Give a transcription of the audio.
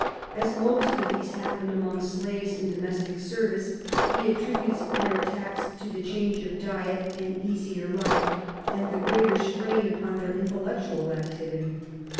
As most of these happened among slaves in domestic service he attributes their attacks to the change of diet and easier SLEEPING SICKNESS life, and the greater strain upon their intellectual activity.